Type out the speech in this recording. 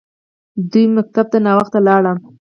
دوی ښوونځي ته ناوخته لاړل!